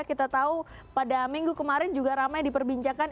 kita tahu pada minggu kemarin juga ramai diperbincangkan